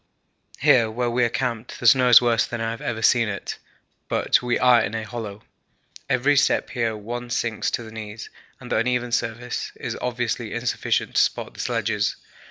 Here where we are camped the snow is worse than I have ever seen it, but we are in a hollow. Every step here one sinks to the knees and the uneven surface is obviously insufficient to support the sledges.